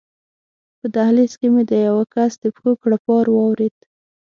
په دهلېز کې مې د یوه کس د پښو کړپهار واورېد.